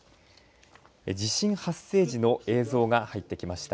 地震発生時の映像が入ってきました。